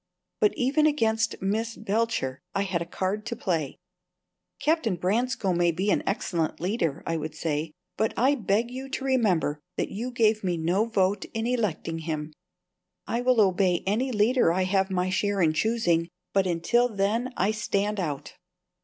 But even against Miss Belcher I had a card to play. "Captain Branscome may be an excellent leader," I would say; "but I beg you to remember that you gave me no vote in electing him. I will obey any leader I have my share in choosing, but until then I stand out."